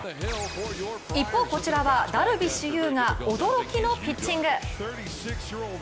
一方、こちらはダルビッシュ有が驚きのピッチング。